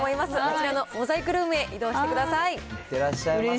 こちらのモザイクルームへ移動してください。